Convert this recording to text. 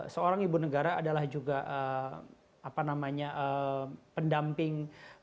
seorang ibu negara adalah juga pendamping